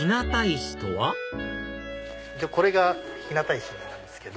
一応これが日向石なんですけど。